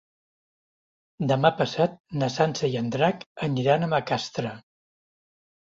Demà passat na Sança i en Drac aniran a Macastre.